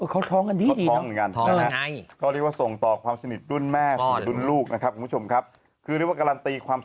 เขาท้องกันดีกว่า